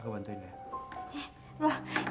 ya beginilah mas